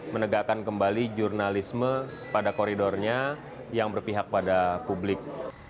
menegakkan kembali jurnalisme pada koridornya yang berpihak pada publik